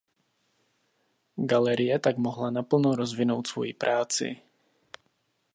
Galerie tak mohla naplno rozvinout svoji práci.